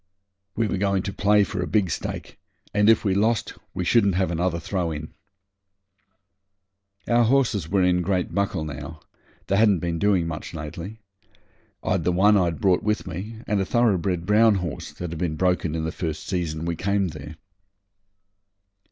We were going to play for a big stake, and if we lost we shouldn't have another throw in. Our horses were in great buckle now; they hadn't been doing much lately. I had the one I'd brought with me, and a thoroughbred brown horse that had been broken in the first season we came there.